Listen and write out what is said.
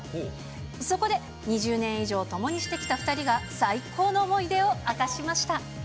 そこで、２０年以上共にしてきた２人が最高の思い出を明かしました。